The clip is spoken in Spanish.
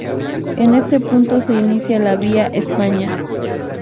En este punto se inicia la Vía España.